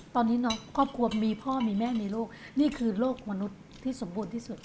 ตอนนี้ครอบครัวมีพ่อมีแม่มีลูกนี่คือโลกมนุษย์ที่สมบูรณ์ที่สุด